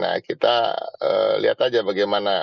nah kita lihat aja bagaimana